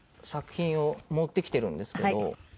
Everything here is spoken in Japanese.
作品を持ってきてるんですけど。